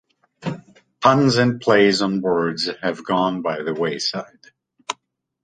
Puns and plays on words have gone by the wayside.